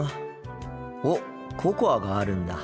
おっココアがあるんだ。